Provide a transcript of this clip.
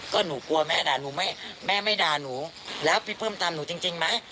ก็หนูกลัวแม่ด่าหนูแม่ไม่ด่าหนูแล้วพี่เพิ่มตามหนูจริงไหม